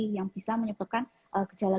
yang bisa menyebabkan gejala